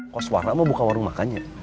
kok suara mau buka warung makannya